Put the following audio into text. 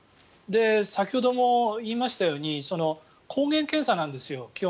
先ほども言いましたように基本的に抗原検査なんですよ。